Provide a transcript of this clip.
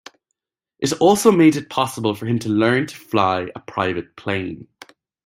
It also made it possible for him to learn to fly a private plane.